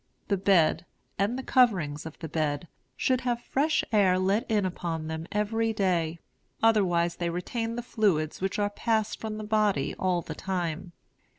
The bed, and the coverings of the bed, should have fresh air let in upon them every day; otherwise, they retain the fluids which are passing from the body all the time.